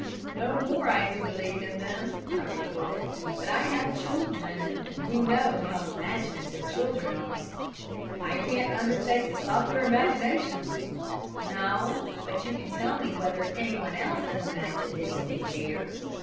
"No more I do believe in them," I retorted, "but I have children, and we know how imaginative children are." "I can't undertake to stop their imaginations." "No, but you can tell me whether anyone else has imagined anything there.